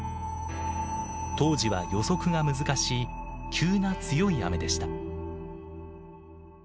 当時は予測が難しい急な強い雨でした。